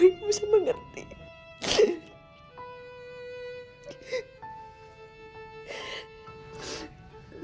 ibu bisa mengerti perasaan kamu